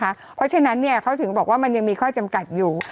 เพราะฉะนั้นเขาถึงบอกว่ามันยังมีข้อจำกัดอยู่